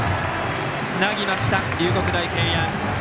つなぎました、龍谷大平安。